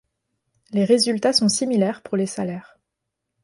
Les résultats sont similaires pour les salaires.